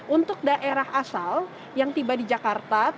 untuk daerah asal yang tiba di jakarta